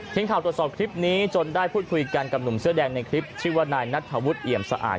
ทีมข่าวตรวจสอบคลิปนี้จนได้พูดคุยกันกับหนุ่มเสื้อแดงในคลิปชื่อว่านายนัทธวุฒิเอี่ยมสะอาด